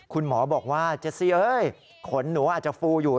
คุณหมอบอกว่าเจสซี่เอ้ยขนหนูอาจจะฟูอยู่